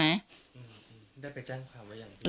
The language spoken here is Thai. ได้ไปแจ้งความไว้อย่างนี้